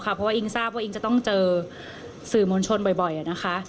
เพราะว่าอิงทราบว่าอิงจะต้องเจอสื่อมวลชนบ่อยนะคะ